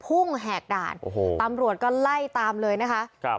พุ่งแหดด่านตำรวจก็ไล่ตามเลยนะคะ